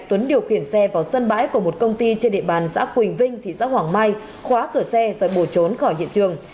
thì trên địa bàn xã quỳnh vinh thị xã hoàng mai khóa cửa xe rồi bổ trốn khỏi hiện trường